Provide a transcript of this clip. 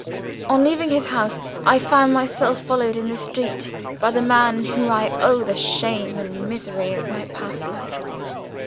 On leaving his house, I found myself followed in the street by the man to whom I owe the shame and misery of my past life.